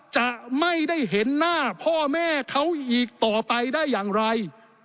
จะไม่ได้เห็นหน้าพ่อแม่เขาอีกต่อไปได้อย่างไร